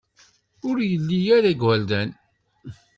Ur ili ara igerdan.